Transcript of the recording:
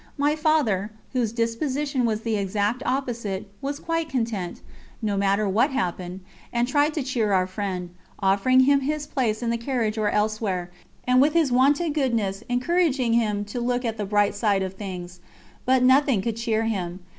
My Father, whose disposition was the exact opposite, was quite content, no matter what happened, and tried to cheer our friend, offering him his place in the carriage or elsewhere, and with his wonted goodness encouraging him to look on the bright side of things. But nothing could cheer him.